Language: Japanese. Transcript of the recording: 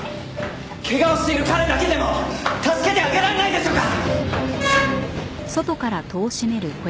怪我をしている彼だけでも助けてあげられないでしょうか！？